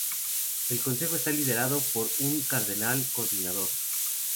El consejo está liderado por un cardenal coordinador.